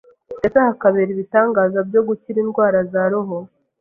ndetse hakabera n’ibitangaza byo gukira indwara za roho